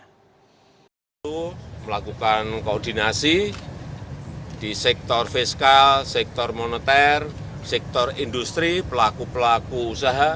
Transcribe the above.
itu melakukan koordinasi di sektor fiskal sektor moneter sektor industri pelaku pelaku usaha